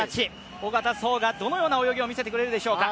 小方颯がどのような泳ぎを見せてくれるでしょうか。